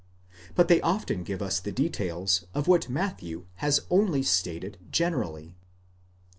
but they often give us the details of what Matthew has only stated generally.